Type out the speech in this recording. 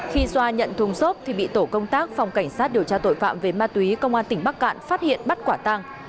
khi xoa nhận thùng xốp thì bị tổ công tác phòng cảnh sát điều tra tội phạm về ma túy công an tỉnh bắc cạn phát hiện bắt quả tăng